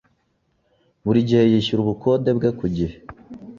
buri gihe yishyura ubukode bwe ku gihe.